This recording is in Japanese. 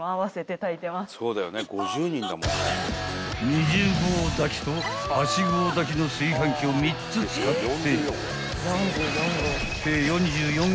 ［２０合炊きと８合炊きの炊飯器を３つ使って］